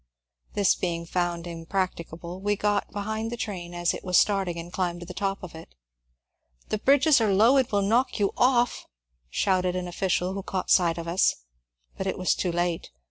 This being found impractica ble, we got behind the train as it was starting and climbed to the top of it. ^^ The bridges are low and will knock you off !" shouted an official who caught sight of us ; but it was too late.